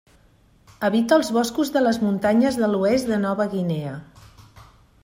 Habita els boscos de les muntanyes de l'oest de Nova Guinea.